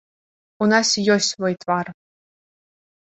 У нас ёсць свой твар.